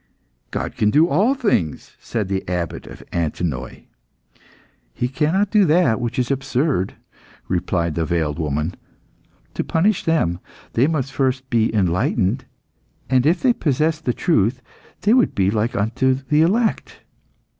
"God can do all things," said the Abbot of Antinoe. "He cannot do that which is absurd," replied the veiled woman. "To punish them, they must first be enlightened, and if they possessed the truth, they would be like unto the elect."